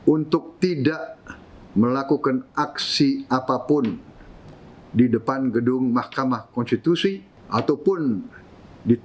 untuk tidak melakukan aksi apapun di depan gedung mahkamah konstitusi ataupun di